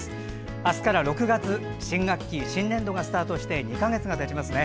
あすから６月新学期、新年度がスタートして２か月がたちますね。